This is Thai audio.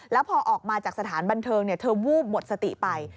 แล้วพอออกมาจากสถานบันเทิงเธอวูบหมดสติไป